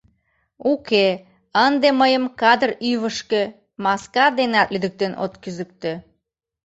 — Уке, ынде мыйым кадыр ӱвышкӧ маска денат лӱдыктен от кӱзыктӧ.